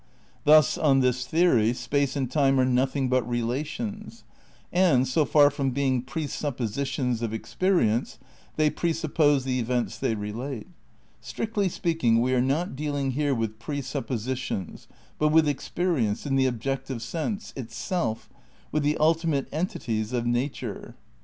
Thus on this theory space and time are nothing but relations; and, so far from being presuppositions of experience they presuppose the events they relate. Strictly speaking, we are not dealing here with presup positions, but with experience, in the objective sense, itself, with the ultimate entities of nature.